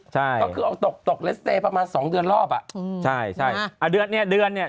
ใช่ก็คือเอาตกตกเลสเตย์ประมาณสองเดือนรอบอ่ะอืมใช่ใช่อ่าเดือนเนี้ยเดือนเนี้ย